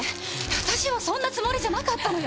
私はそんなつもりじゃなかったのよ。